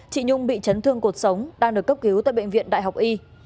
chị nhung bị chấn thương cuộc sống đang được cấp cứu tại bệnh viện đại học y